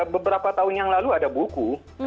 beberapa tahun yang lalu ada buku